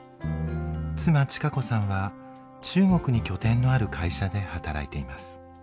妻千賀子さんは中国に拠点のある会社で働いています。